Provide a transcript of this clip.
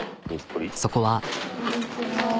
そこは。